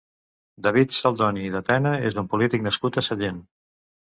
David Saldoni i de Tena és un polític nascut a Sallent.